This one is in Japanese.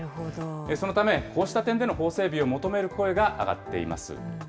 そのため、こうした点での法整備を求める声が上がっています。